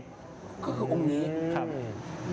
คืออุ้มนี้